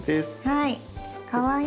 はい。